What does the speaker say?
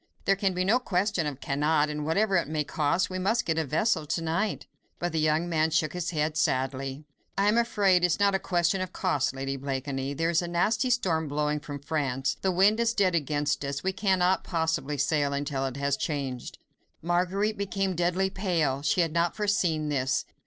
There can be no question of cannot, and whatever it may cost, we must get a vessel to night." But the young man shook his head sadly. "I am afraid it is not a question of cost, Lady Blakeney. There is a nasty storm blowing from France, the wind is dead against us, we cannot possibly sail until it has changed." Marguerite became deadly pale. She had not foreseen this.